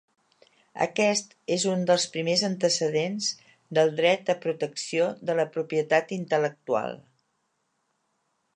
Aquest és un dels primers antecedents del dret a protecció de la propietat intel·lectual.